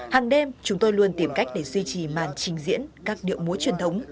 hàng đêm chúng tôi luôn tìm cách để duy trì màn trình diễn các điệu múa truyền thống